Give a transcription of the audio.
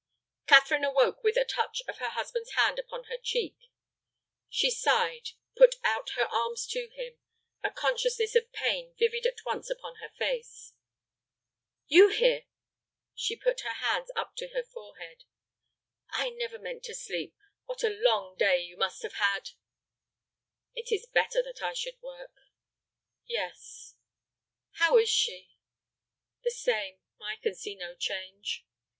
Catherine awoke with a touch of her husband's hand upon her cheek. She sighed, put out her arms to him, a consciousness of pain vivid at once upon her face. "You here!" She put her hands up to her forehead. "I never meant to sleep. What a long day you must have had!" "It is better that I should work." "Yes." "How is she?" "The same; I can see no change."